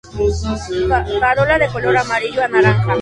Corola de color amarillo a naranja.